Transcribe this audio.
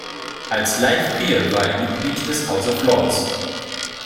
Als Life Peer war er Mitglied des House of Lords.